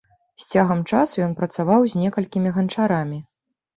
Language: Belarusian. З цягам часу ён працаваў з некалькімі ганчарамі.